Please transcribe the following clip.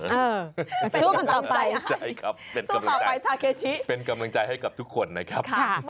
สู้ต่อไปสู้ต่อไปทาเคชิเป็นกำลังใจให้กับทุกคนนะครับ